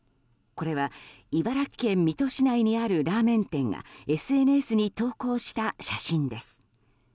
これは茨城県水戸市内にあるラーメン店がＳＮＳに投稿した写真です。